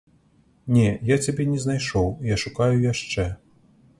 Не, я цябе не знайшоў, я шукаю яшчэ.